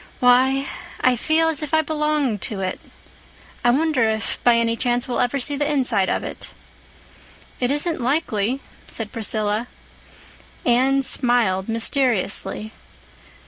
"Why, I feel as if I belonged to it. I wonder if, by any chance, we'll ever see the inside of it." "It isn't likely," said Priscilla. Anne smiled mysteriously.